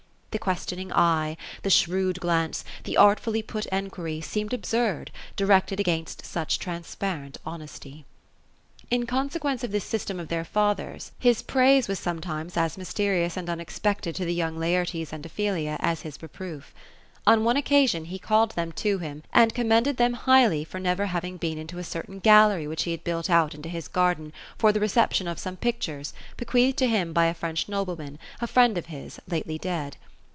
The questioning eye, the shrewd glance, the artfully put enquiry, seemed absurd, directed against such transparent honesty. In consequence of this system of their father's, his praise was some THE ROSE OF ELSINORE. 229 times as mysterious and unexpected to the young Laertes and Ophelia as his reproof. Oir one occasion, he called them to him and commended them high ly, for never haying been into a certain gallery which he had built out into his garden for the reception of some pictures, bequeathed to him by a French nobleman — a friend of his — ^lately dead.